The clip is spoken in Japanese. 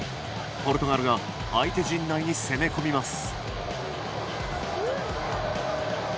ポルトガルが相手陣内に攻め込みます。